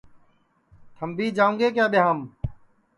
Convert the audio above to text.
تھمبی جاؤں گے کیا ٻیایم